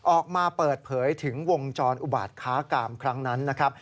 ออกมาเปิดเผยถึงวงจรอุบาตค้ากามครั้งนั้นนะครับ